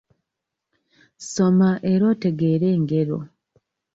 Soma era oteegere engero.